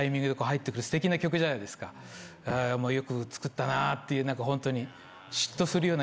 よく作ったなっていうホントに。